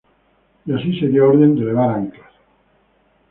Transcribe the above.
Y así se dio orden de levar anclas.